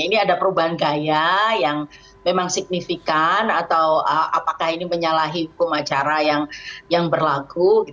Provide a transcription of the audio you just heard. ini ada perubahan gaya yang memang signifikan atau apakah ini menyalahi hukum acara yang berlaku